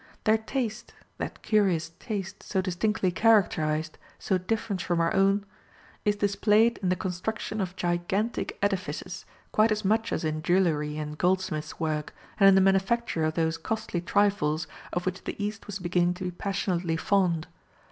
Their taste that curious taste, so distinctly characterized, so different from our own, is displayed in the construction of gigantic edifices, quite as much as in jewellery and goldsmith's work, and in the manufacture of those costly trifles of which the east was beginning to be passionately fond.